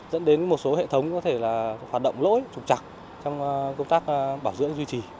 dẫn đến một số hệ thống có thể là hoạt động lỗi trục chặt trong công tác bảo dưỡng duy trì